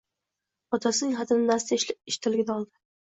Onasining xatini Nastya ishdaligida oldi.